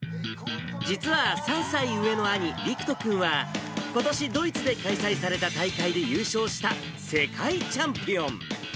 実は３歳上の兄、陸人君は、ことしドイツで開催された大会で優勝した世界チャンピオン。